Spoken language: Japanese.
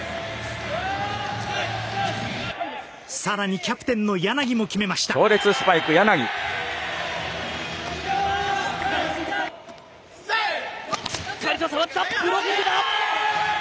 さらにキャプテンの柳も決めました。